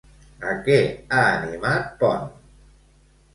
A què ha animat Pont?